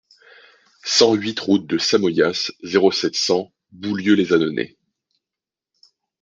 cent huit route de Samoyas, zéro sept, cent, Boulieu-lès-Annonay